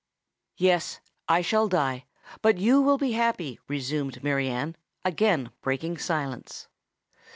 "Yes—I shall die; but you will be happy," resumed Mary Anne, again breaking silence.